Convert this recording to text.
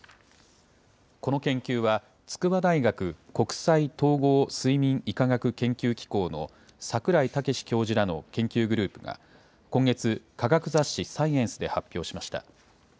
この研究は、筑波大学国際統合睡眠医科学研究機構の櫻井武教授らの研究グループが、今月、科学雑誌サイエンスで発表しました。